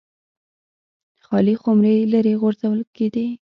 خالي خُمرې لرې غورځول کېدې.